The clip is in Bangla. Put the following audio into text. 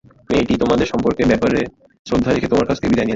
মেয়েটি তোমাদের সম্পর্কের ব্যাপারে শ্রদ্ধা রেখে তোমার কাছ থেকে বিদায় নেয়নি।